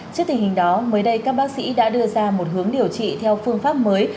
trước tình hình đó mới đây các bác sĩ đã đưa ra một hướng điều trị theo phương pháp mới